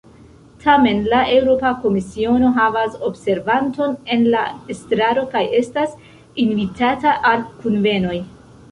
Tamen, la Eŭropa Komisiono havas observanton en la estraro kaj estas invitata al kunvenoj.